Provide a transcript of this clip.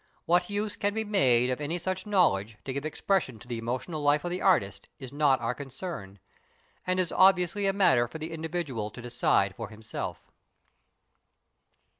What use can be made of any such knowledge to give expression to the emotional life of the artist is not our concern, and is obviously a matter for the individual to decide for himself.